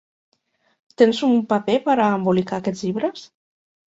Tens un paper per a embolicar aquests llibres?